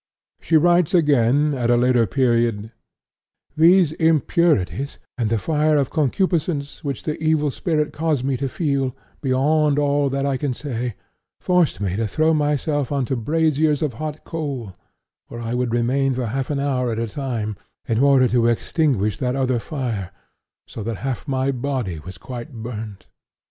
She writes again, at a later period: "These impurities and the fire of concupiscence which the evil spirit caused me to feel, beyond all that I can say, forced me to throw myself on to braziers of hot coal, where I would remain for half an hour at a time, in order to extinguish that other fire, so that half my body was quite burnt.